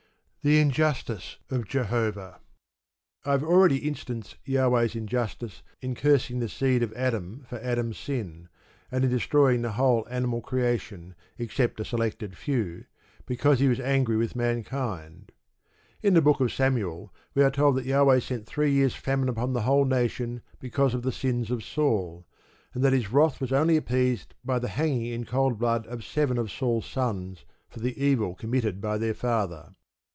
The Injustice of Jehovah I have already instanced Jahweh's injustice in cursing the seed of Adam for Adam's sin, and in destroying the whole animal creation, except a selected few, because he was angry with mankind. In the Book of Samuel we are told that Jahweh sent three years' famine upon the whole nation because of the sins of Saul, and that his wrath was only appeased by the hanging in cold blood of seven of Saul's sons for the evil committed by their father.